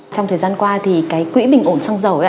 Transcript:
trong thời gian qua thì cái quỹ bình ổn xăng dầu